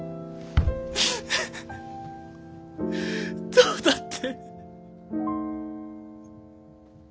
どうだって。